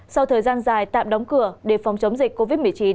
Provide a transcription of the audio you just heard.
sau thời gian dài tạm đóng cửa để phòng chống dịch covid một mươi chín